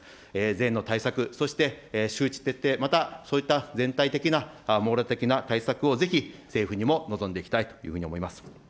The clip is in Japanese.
税の対策、そして周知徹底、またそういった全体的な網羅的な対策をぜひ、政府にも望んでいきたいというふうに思います。